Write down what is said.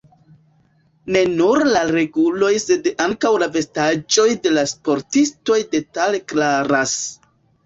Ne nur la reguloj sed ankaŭ la vestaĵoj de la sportistoj detale klaras.